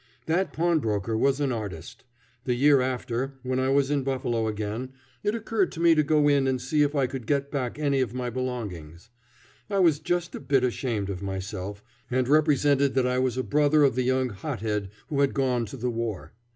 That pawnbroker was an artist. The year after, when I was in Buffalo again, it occurred to me to go in and see if I could get back any of my belongings. I was just a bit ashamed of myself, and represented that I was a brother of the young hothead who had gone to the war.